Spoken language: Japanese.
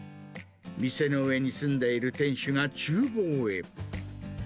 店の上に住んでいる店主がちゅう房へ。